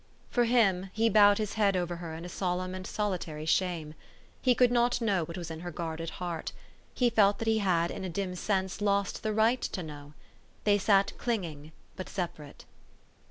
For him, he bowed his head over her in a solemn and solitary shame. lie could not know what was in her guarded heart. He felt that he had in a dun sense lost the right to know. They sat clinging, but separate.